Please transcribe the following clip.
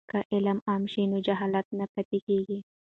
که علم عام شي نو جهالت نه پاتې کیږي.